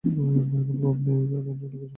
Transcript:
এমন ভাব নেয় যেন আমি উনাকে ভয় পাই।